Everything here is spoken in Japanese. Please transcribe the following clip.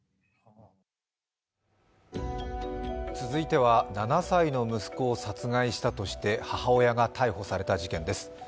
続いては７歳の息子を殺害したとして母親が逮捕された事件です。